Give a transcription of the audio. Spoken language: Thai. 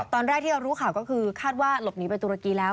ตอนแรกที่เรารู้ข่าวก็คือคาดว่าหลบหนีไปตุรกีแล้ว